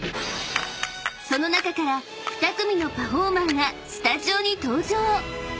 ［その中から２組のパフォーマーがスタジオに登場］